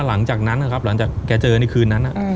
หลังจากนั้นนะครับหลังจากแกเจอในคืนนั้น